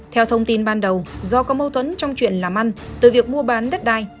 theo thông tin ban đầu do có mâu thuẫn trong chuyện làm ăn từ việc mua bán đất đai